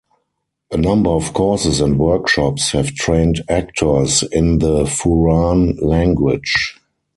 A number of courses and workshops have trained actors in the "Furan language".